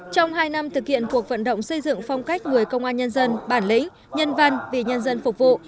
trong hai năm thực hiện cuộc vận động xây dựng phong cách người công an nhân dân bản lĩnh nhân văn vì nhân dân phục vụ